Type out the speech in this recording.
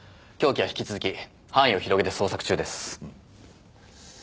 凶器は引き続き範囲を広げて捜索中です。